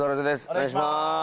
お願いします。